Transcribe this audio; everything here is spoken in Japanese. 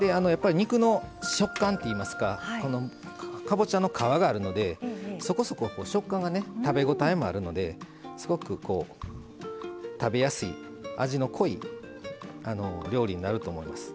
肉の食感っていいますかかぼちゃの皮があるのでそこそこ食感がね食べごたえもあるのですごく食べやすい味の濃い料理になると思います。